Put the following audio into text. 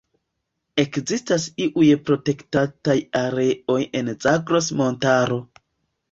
Ekzistas iuj protektataj areoj en Zagros-Montaro.